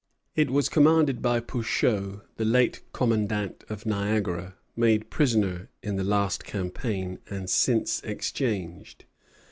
It was commanded by Pouchot, the late commandant of Niagara, made prisoner in the last campaign, and since exchanged.